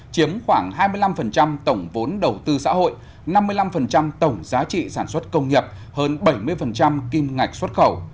chiếm khoảng hai mươi năm tổng vốn đầu tư xã hội năm mươi năm tổng giá trị sản xuất công nghiệp hơn bảy mươi kim ngạch xuất khẩu